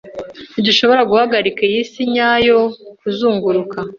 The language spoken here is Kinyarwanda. Ntidushobora guhagarika iyi si nyayo kuzunguruka